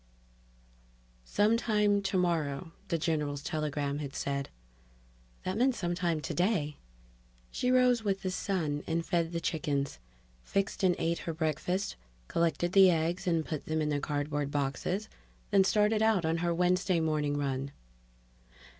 Sometime tomorrow, the general's telegram had said That meant sometime today! She rose with the sun and fed the chickens, fixed and ate her breakfast, collected the eggs and put them in their cardboard boxes, then started out on her Wednesday morning run.